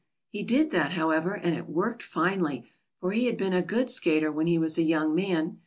He did that, however, and it worked finely, for he had been a good skater when he was a young man.